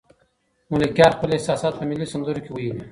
ملکیار خپل احساسات په ملي سندرو کې ویلي.